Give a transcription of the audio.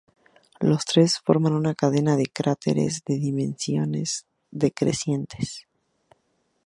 Los tres forman una cadena de cráteres de dimensiones decrecientes.